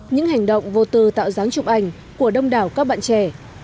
những hành động vô tư tạo dáng chụp ảnh của đông đảo các bạn trẻ